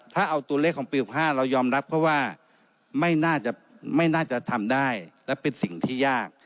ถ้าเอาตัวเลขของปี๖๕เรายอมรับเขาว่าไม่น่าจะไม่น่าจะทำได้และเป็นสิ่งที่ยาก